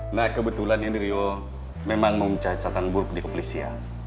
nah kebetulan ini rio memang mempunyai catatan buruk di kepolisian